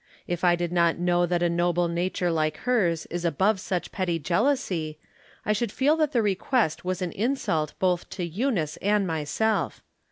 If I did not know that a noble nature like hers is above such petty jealousy, I should feel that the request was an insult both to Eunice and myself.